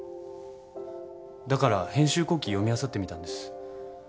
だから編集後記読みあさってみたんです。